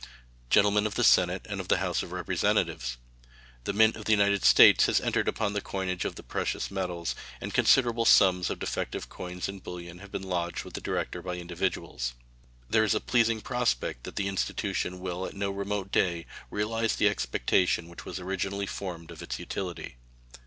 Gentlemen of the Senate and of the House of Representatives: The Mint of the United States has entered upon the coinage of the precious metals, and considerable sums of defective coins and bullion have been lodged with the Director by individuals. There is a pleasing prospect that the institution will at no remote day realize the expectation which was originally formed of its utility.